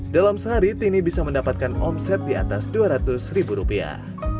dalam sehari tini bisa mendapatkan omset di atas dua ratus ribu rupiah